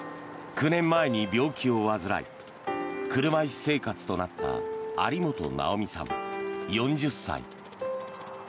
９年前に病気を患い車椅子生活となった有本奈緒美さん、４０歳。